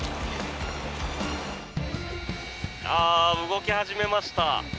動き始めました。